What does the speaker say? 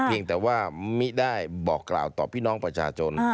แต่ว่ามิได้บอกกล่าวต่อพี่น้องประชาชน